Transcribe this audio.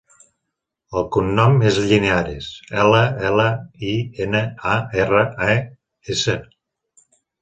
El cognom és Llinares: ela, ela, i, ena, a, erra, e, essa.